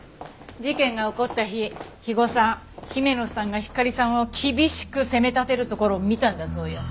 事件が起こった日肥後さん姫野さんがひかりさんを厳しく責め立てるところを見たんだそうよ。